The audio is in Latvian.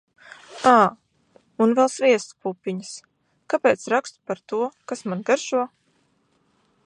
Ā, un vēl sviesta pupiņas. Kāpēc rakstu par to, kas man garšo?